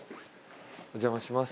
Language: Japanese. お邪魔します。